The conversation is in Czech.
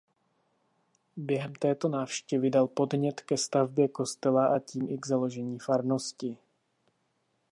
Během této návštěvy dal podnět ke stavbě kostela a tím i k založení farnosti.